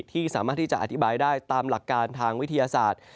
ที่สามารถที่จะอธิบายได้ตามหลักการทางวิทยาศาสตร์